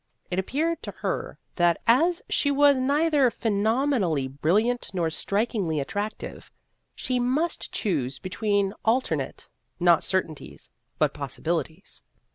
It appeared to her that, as she was neither phenomenally brilliant nor strik ingly attractive, she must choose between alternate not certainties, but possibilities.